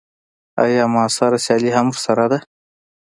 ایا معاصره سیالي هم ورسره ده.